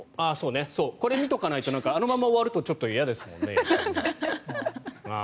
これを見ておかないとなんか、あのまま終わるとちょっと嫌ですもんね。